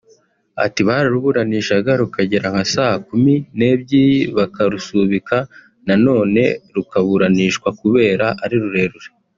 Ati Bararuburanishaga rukagera nka saa kumi n’ebyiri bakarusubika nanone rukaburanishwa kubera ari rurerure